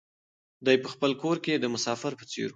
دی په خپل کور کې د مسافر په څېر و.